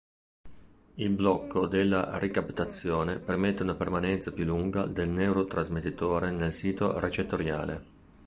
Il blocco della ricaptazione permette una permanenza più lunga del neurotrasmettitore nel sito recettoriale.